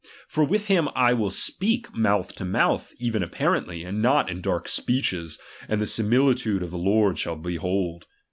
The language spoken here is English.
For with him will I speak mouth to mouth, even apparently, and not in dark speeches, and the similitude of the Lord shall he behold.